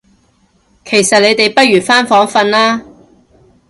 其實你哋不如返房訓啦